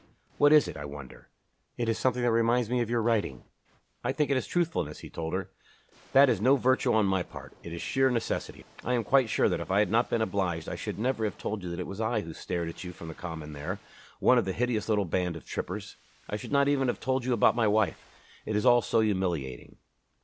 What is it, I wonder? It is something which reminds me of your writing." "I think that it is truthfulness," he told her. "That is no virtue on my part. It is sheer necessity. I am quite sure that if I had not been obliged I should never have told you that it was I who stared at you from the Common there, one of a hideous little band of trippers. I should not even have told you about my wife. It is all so humiliating."